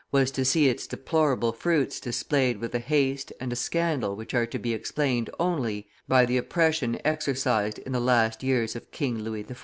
was to see its deplorable fruits displayed with a haste and a scandal which are to be explained only by the oppression exercised in the last years of King Louis XIV.